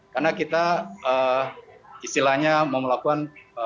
karena kita istilahnya mau melakukan